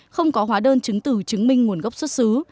không có hóa đơn chứng từ chứng minh nguồn gốc xuất xứ